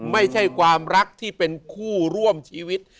ไม่ใช่ความรักที่เป็นคู่ร่วมชีวิต